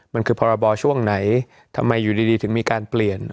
มันคือพรบช่วงไหนทำไมอยู่ดีถึงมีการเปลี่ยน